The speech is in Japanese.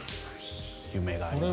夢があります。